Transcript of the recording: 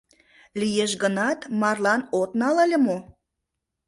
Лиеш гынат, марлан от нал ыле мо?